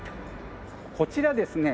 こちらですね